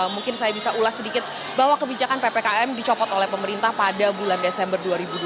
mungkin saya bisa ulas sedikit bahwa kebijakan ppkm dicopot oleh pemerintah pada bulan desember dua ribu dua puluh